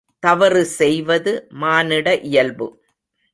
தவறு செய்வது மானிட இயல்பு.